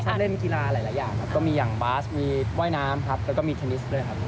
เล่นกีฬาหลายอย่างครับก็มีอย่างบาสมีว่ายน้ำครับแล้วก็มีเทนนิสด้วยครับ